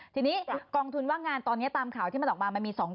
ทีนี้กองทุนว่างงานตอนนี้ตามข่าวที่มันออกมามันมี๒๐๐